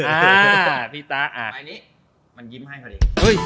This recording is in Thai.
อันนี้มันยิ้มให้กันเลย